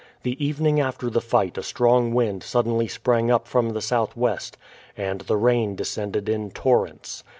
The evening after the fight a strong wind suddenly sprang up from the southwest, and the rain descended in torrents.